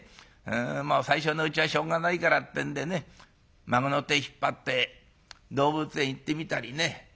もう最初のうちはしょうがないからってんでね孫の手引っ張って動物園行ってみたりね